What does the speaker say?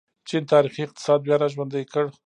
چین تاریخي اقتصاد بیا راژوندی کړ.